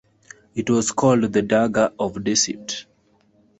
It was called "The Dagger of Deceit".